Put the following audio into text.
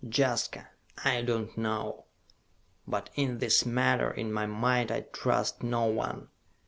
"Jaska, I do not know; but in this matter in my mind I trust no one.